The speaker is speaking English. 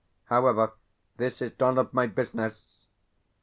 However, this is none of my business.